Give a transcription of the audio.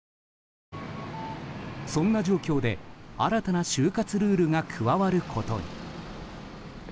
そんな状況で、新たな就活ルールが加わることに。